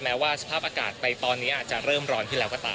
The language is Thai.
ว่าสภาพอากาศไปตอนนี้อาจจะเริ่มร้อนขึ้นแล้วก็ตาม